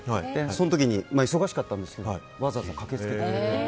その時忙しかったんですけどわざわざ駆けつけてくれて。